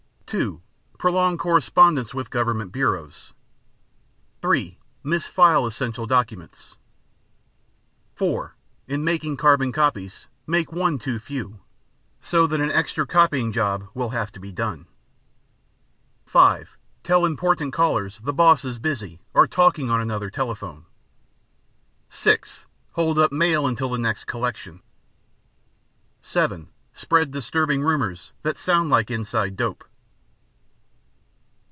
(2) Prolong correspondence with government bureaus. (3) Misfile essential documents. (4) In making carbon copies, make one too few, so that an extra copying job will have to be done. (5) Tell important callers the boss is busy or talking on another telephone. (6) Hold up mail until the next collection. (7) Spread disturbing rumors that sound like inside dope.